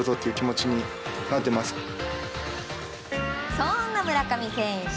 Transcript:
そんな村上選手